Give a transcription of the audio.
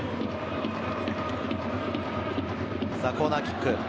コーナーキック。